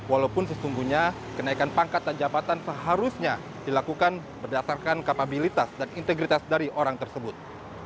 walaupun sesungguhnya kenaikan pangkat dan jabatan seharusnya dilakukan berdasarkan kapabilitas dan integritas dari orang tersebut